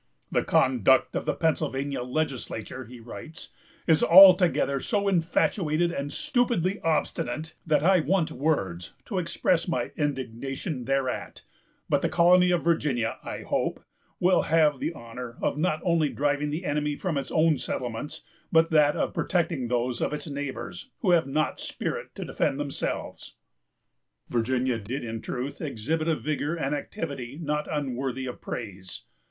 "The conduct of the Pennsylvania legislature," he writes, "is altogether so infatuated and stupidly obstinate, that I want words to express my indignation thereat; but the colony of Virginia, I hope, will have the honor of not only driving the enemy from its own settlements, but that of protecting those of its neighbors who have not spirit to defend themselves." Virginia did, in truth, exhibit a vigor and activity not unworthy of praise.